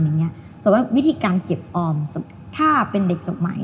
นั้นได้สวัสดิ์วิธีการเก็บออมถ้าเป็นเด็กโจรไหม